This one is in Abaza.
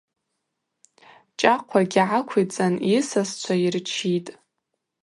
Чӏахъвагьи гӏаквицӏан йысасчва йырчитӏ.